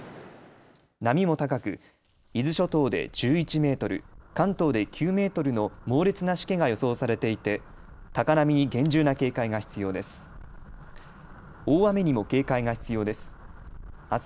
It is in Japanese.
波も高く伊豆諸島で１１メートル、関東で９メートルの猛烈なしけが予想されていて高波に厳重な警戒が必要です。